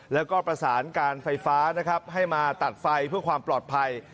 แล้วก็ประสานการไฟฟ้านะครับให้มาตัดไฟเพื่อความปลอดภัย